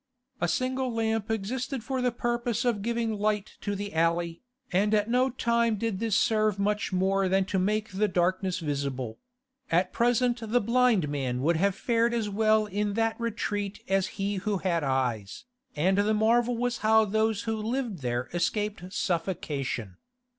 A single lamp existed for the purpose of giving light to the alley, and at no time did this serve much more than to make darkness visible; at present the blind man would have fared as well in that retreat as he who had eyes, and the marvel was how those who lived there escaped suffocation.